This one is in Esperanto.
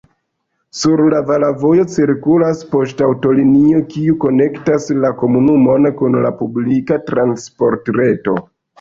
Sur la vala vojo cirkulas poŝtaŭtolinio, kiu konektas la komunumon kun la publika transportreto.